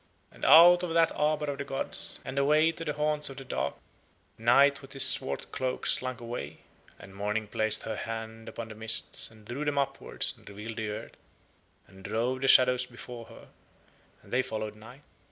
And out of that arbour of the gods, and away to the haunts of the dark, Night with his swart cloak slunk away; and Morning placed her hand upon the mists and drew them upward and revealed the earth, and drove the shadows before her, and they followed Night.